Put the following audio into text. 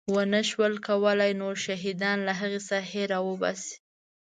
ونه شول کولی نور شهیدان له هغې ساحې راوباسي.